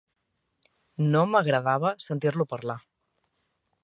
No m'agradava sentir-lo parlar!